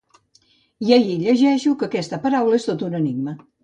I ahir llegeixo que aquesta paraula és tot un enigma.